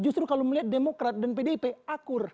justru kalau melihat demokrat dan pdip akur